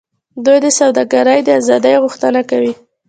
دوی د سوداګرۍ د آزادۍ غوښتنه کوي